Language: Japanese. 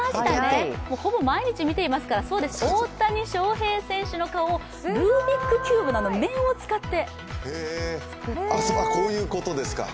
ほぼ毎日見ていますから、そうです大谷翔平選手の顔をルービックキューブの面を使って。